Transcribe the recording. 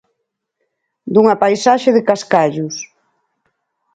Dunha paisaxe de cascallos.